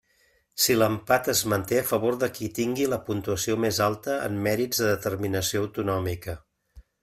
Si l'empat es manté, a favor de qui tingui la puntuació més alta en mèrits de determinació autonòmica.